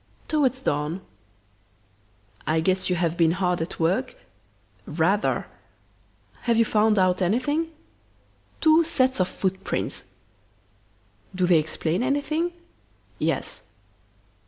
"Towards dawn." "I guess you have been hard at work?" "Rather!" "Have you found out anything?" "Two sets of footprints!" "Do they explain anything?" "Yes."